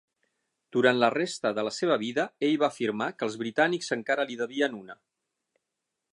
Durant la resta de la seva vida ell va afirmar que els britànics encara li devien una.